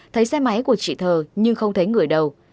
thấy xe máy của chị thờ nhưng không thấy người đầu